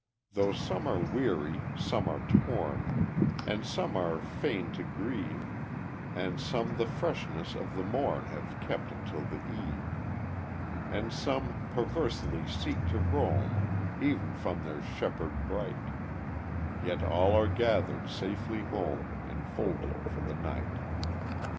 Though some are weary, some are torn, And some are fain to grieve, And some the freshness of the morn Have kept until the eve, And some perversely seek to roam E'en from their shepherd bright, Yet all are gathered safely home, And folded for the night.